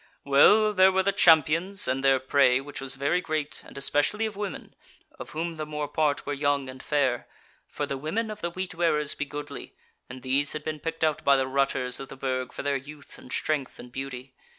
"Well, there were the champions and their prey, which was very great, and especially of women, of whom the more part were young and fair: for the women of the Wheat wearers be goodly, and these had been picked out by the rutters of the Burg for their youth and strength and beauty.